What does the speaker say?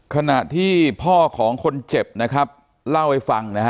ขณะที่พ่อของคนเจ็บนะครับเล่าให้ฟังนะฮะ